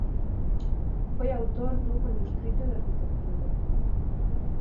Foi autor dun Manuscrito de Arquitectura.